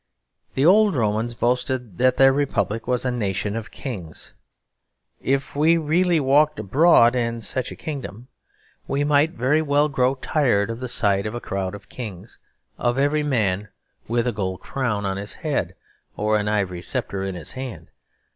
The old Romans boasted that their republic was a nation of kings. If we really walked abroad in such a kingdom, we might very well grow tired of the sight of a crowd of kings, of every man with a gold crown on his head or an ivory sceptre in his hand.